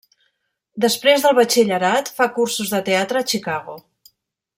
Després del batxillerat, fa cursos de teatre a Chicago.